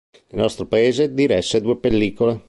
Nel nostro paese diresse due pellicole.